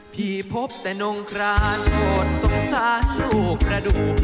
พบแต่นงครานโหดสงสารลูกกระดูก